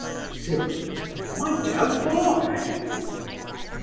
CYRIL. My dear boy!